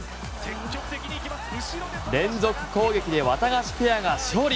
連続攻撃でワタガシペアが勝利。